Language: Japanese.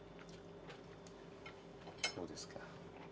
どうですか？